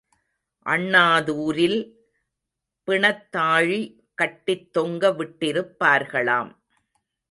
அண்ணாதுாரில் பிணத்தாழி கட்டித் தொங்க விட்டிருப்பார்களாம்.